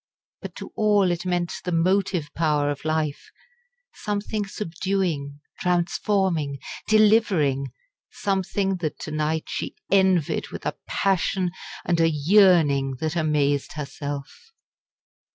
But to all it meant the motive power of life something subduing, transforming, delivering something that to night she envied with a passion and a yearning that amazed herself.